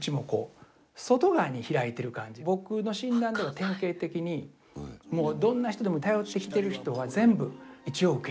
つまり僕の診断では典型的にもうどんな人でも頼ってきてる人は全部一応受け入れる。